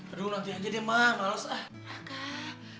aduh nanti aja deh ma males ah